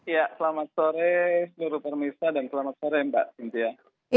ya selamat sore seluruh permisa dan selamat sore mbak sintia